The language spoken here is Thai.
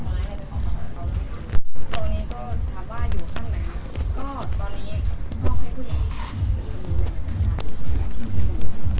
เมื่อไหร่จากนั้นที่เราอยู่ที่ถือฟ้าหรือหลับไม้